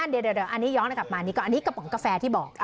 เดี๋ยวอันนี้ย้อนกลับมานี่ก็อันนี้กระป๋องกาแฟที่บอก